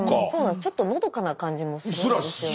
ちょっとのどかな感じもするんですよね。